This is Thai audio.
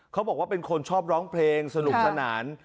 เขาบอกว่าเป็นคนชอบร้องเพลงสนุกสนาน